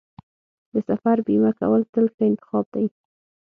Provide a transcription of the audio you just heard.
د سفر بیمه کول تل ښه انتخاب دی.